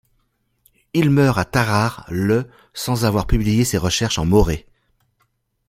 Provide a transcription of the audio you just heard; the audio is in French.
Il meurt à Tarare le sans avoir publié ses recherches en Morée.